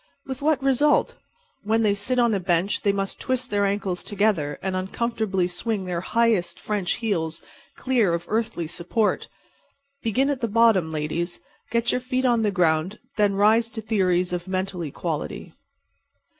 With what result? When they sit on a bench they must twist their ankles together and uncomfortably swing their highest French heels clear of earthly support. Begin at the bottom, ladies. Get your feet on the ground, and then rise to theories of mental equality.